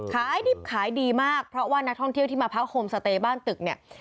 ขายดิบขายดีมากเพราะว่านักท่องเที่ยวที่มาพักโฮมสเตย์บ้านตึกเนี่ย